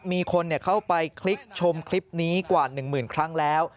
มีคนเข้าไปคลิกชมคลิปนี้กว่า๑หมื่นครั้งแล้ว